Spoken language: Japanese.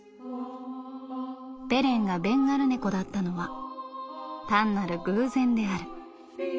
「ベレンがベンガル猫だったのは単なる偶然である」。